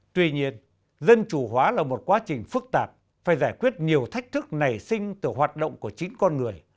tuy nhiên dân chủ hóa là một quá trình phức tạp phải giải quyết nhiều thách thức nảy sinh từ hoạt động của chính con người